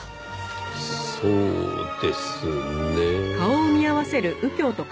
そうですねぇ。